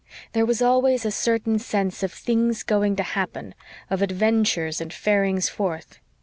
There was always a certain sense of things going to happen of adventures and farings forth.